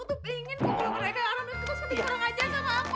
mereka yang kurang ajar sama aku